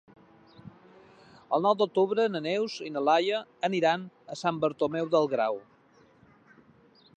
El nou d'octubre na Neus i na Laia aniran a Sant Bartomeu del Grau.